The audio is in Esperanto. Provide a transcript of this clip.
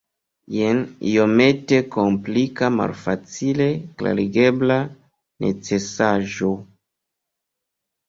Jen iomete komplika malfacile klarigebla necesaĵo.